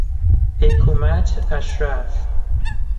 حکومت اشراف